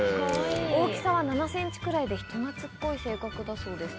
大きさは７センチくらいで、人なつっこい性格だそうです。